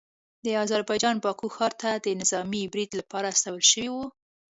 د اذربایجان باکو ښار ته د نظامي پریډ لپاره استول شوي وو